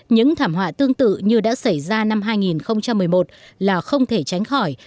những thảm họa tương tự như đã xảy ra năm hai nghìn một mươi một là không thể tránh khỏi